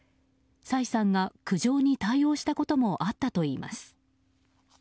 崔さんが苦情に対応したこともあったといいます。